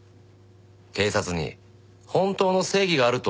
警察に本当の正義があると思いますか？